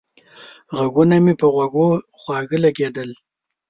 غږونه مې په غوږونو خواږه لگېدل